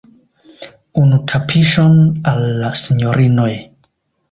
Unu tapiŝon al la sinjorinoj!